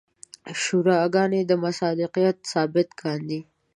شوراګانې مصداقیت ثابت کاندي.